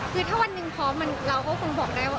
คือถ้าวันหนึ่งพร้อมเราก็คงบอกได้ว่า